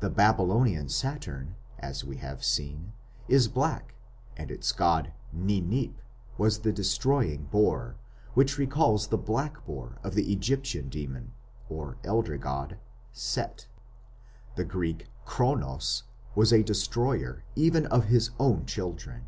The Babylonian Saturn, as we have seen, is black, and its god, Ninip, was the destroying boar, which recalls the black boar of the Egyptian demon (or elder god) Set. The Greek Cronos was a destroyer even of his own children.